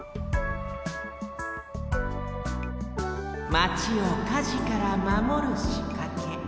マチを火事からまもるしかけ。